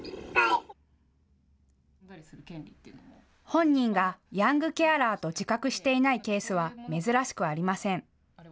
本人がヤングケアラーと自覚していないケースは珍しくありません。